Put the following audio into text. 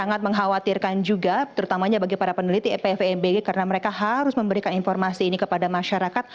agar masyarakat bisa menghapusnya